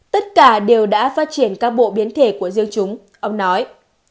tất cả đều đã phát triển các bộ biến thể của riêng chúng ông nói